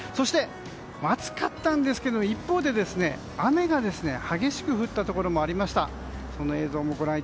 暑かったんですけど一方で雨が激しく降ったところもありました。